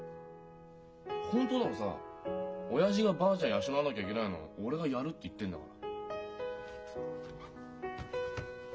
本当ならさ親父がばあちゃん養わなきゃいけないのを俺がやるって言ってんだから。